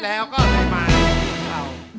นายกดอกไม้เชิญ